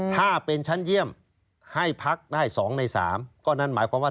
ถ้าเป็นชั้นเยี่ยมให้พักได้๒ใน๓ก็นั่นหมายความว่า